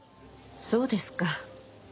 そうですか。